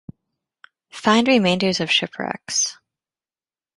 Find remainders of shipwrecks.